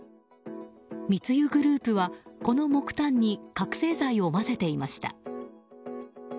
密輸グループは、この木炭に覚醒剤を混ぜていました。